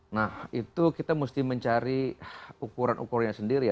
nah itu kita mesti mencari ukuran ukurannya sendiri ya